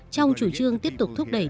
trong chủ trương tiếp tục thúc đẩy